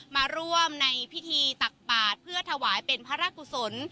มาร่วมในพิธีตักบาทเพื่อถวายเป็นพระราชกุศล